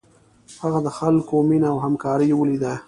هغه د خلکو مینه او همکاري ولیده.